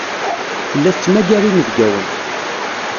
Tella tettmagar inebgawen.